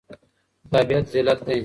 تابعيت ذلت دی.